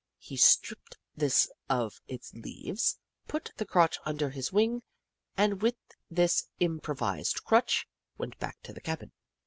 He stripped this of its leaves, put the crotch under his wing, and with this improvised crutch, went back to the cabin.